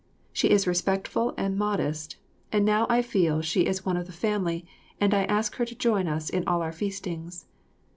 She is respectful and modest, and now I feel she is one of the family and I ask her to join us in all our feastings.